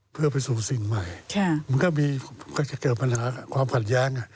เพื่อประสูจน์สิ่งใหม่มันก็จะเกิดปัญหาความพัดแย้ง